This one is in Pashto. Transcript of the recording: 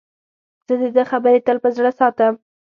زه د ده خبرې تل په زړه ساتم.